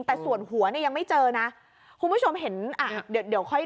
แต่ส่วนหัวเนี่ยยังไม่เจอนะคุณผู้ชมเห็นอ่ะเดี๋ยวเดี๋ยวค่อย